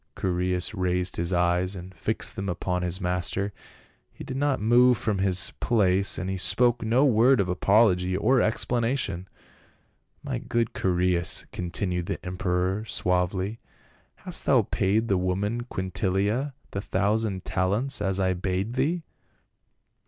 Chaereas raised his eyes and fixed them upon his master ; he did not move from his place, and he spoke no word of apology or explanation. " My good Chaereas," continued the emperor suavely, " hast thou paid the woman Quintilia the thousand talents, as I bade thee?"